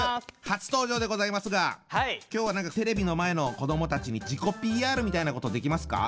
初登場でございますが今日は何かテレビの前の子どもたちに自己ＰＲみたいなことできますか？